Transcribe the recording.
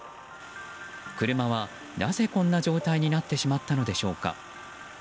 車は、なぜこんな状態になってしまったのでしょうか。